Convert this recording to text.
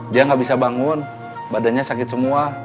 dia nggak bisa bangun badannya sakit semua